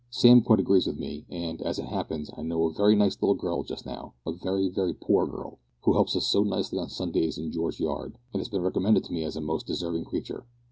Sam quite agrees with me, and, as it happens, I know a very nice little girl just now a very very poor girl who helps us so nicely on Sundays in George Yard, and has been recommended to me as a most deserving creature.